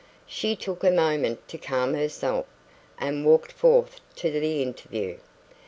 She took a moment to calm herself, and walked forth to the interview.